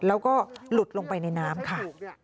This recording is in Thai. แล้วก็หลุดลงไปในน้ำค่ะ